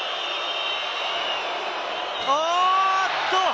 あっと！